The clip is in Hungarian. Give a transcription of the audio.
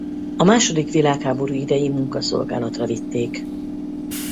A második világháború idején munkaszolgálatra vitték.